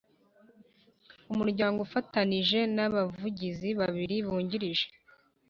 Umuryango afatanije nabavugizi babiri Bungirije